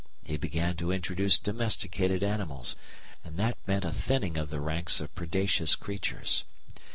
He began to introduce domesticated animals, and that meant a thinning of the ranks of predacious creatures.